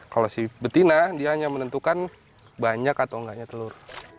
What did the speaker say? kalau si betina dia hanya menentukan banyak atau enggaknya telur